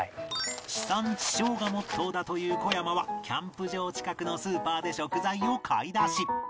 地産地消がモットーだという小山はキャンプ場近くのスーパーで食材を買い出し